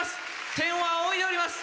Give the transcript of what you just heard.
天を仰いでおります